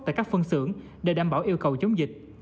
tại các phân xưởng để đảm bảo yêu cầu chống dịch